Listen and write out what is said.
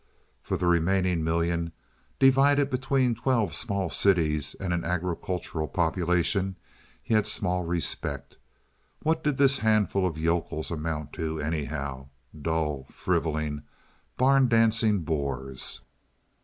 For the remaining million, divided between twelve small cities and an agricultural population, he had small respect. What did this handful of yokels amount to, anyhow?—dull, frivoling, barn dancing boors.